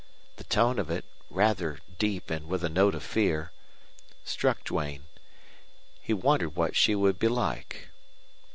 The tone of it, rather deep and with a note of fear, struck Duane. He wondered what she would be like.